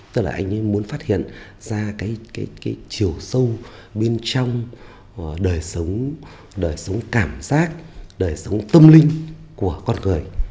tức là anh ấy muốn phát hiện ra cái chiều sâu bên trong đời sống đời sống cảm giác đời sống tâm linh của con người